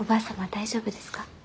大丈夫ですか？